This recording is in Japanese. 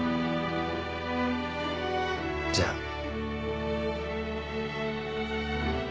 じゃあ。